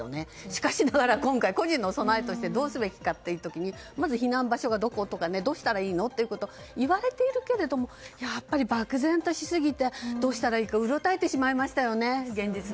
しかしながら、今回個人の備えとしてどうすべきかという時にまず避難場所がどことかどうしたらいいのっていうこと言われているけどやっぱり漠然としすぎてどうしていいかうろたえてしまいましたよね